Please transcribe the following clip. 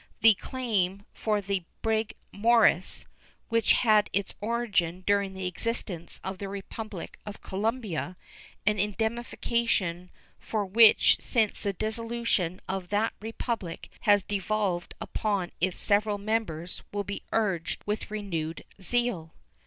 The claim for the brig Morris, which had its origin during the existence of the Republic of Colombia, and indemnification for which since the dissolution of that Republic has devolved upon its several members, will be urged with renewed zeal.